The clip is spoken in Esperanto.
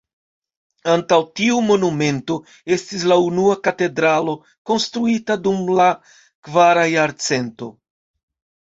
Antaŭ tiu monumento estis la unua katedralo konstruita dum la kvara jarcento.